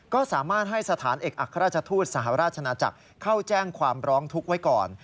ก็สามารถให้สถานเอกอัครราชทูตสหราชนาจักรเข้าแจ้งความร้องทุกข์ไว้ก่อน